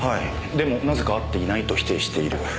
でもなぜか会っていないと否定している。